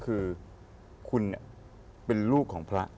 คือคุณเป็นลูกของพระ